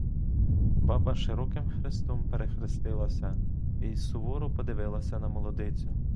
Баба широким хрестом перехрестилася й суворо подивилася на молодицю.